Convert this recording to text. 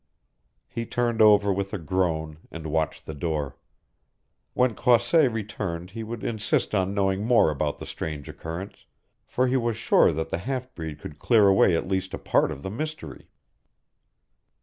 He turned over with a groan and watched the door. When Croisset returned he would insist on knowing more about the strange occurrence, for he was sure that the half breed could clear away at least a part of the mystery.